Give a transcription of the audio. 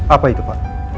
apa itu pak